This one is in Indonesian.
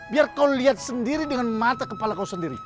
biar kau lihat sendiri dengan mata kepala kau sendiri